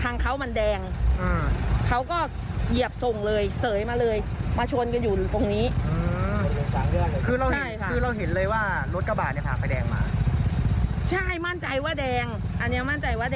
แต่ไม่รู้มั่นใจว่ามันมีกล้องไหม